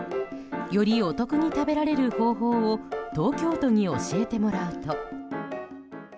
よりお得に食べられる方法を東京都に教えてもらうと。